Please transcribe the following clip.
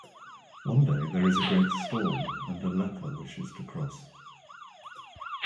One day, there is a great storm and a leper wishes to cross.